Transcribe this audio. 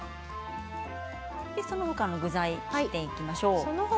その他の具材を切っていきましょう。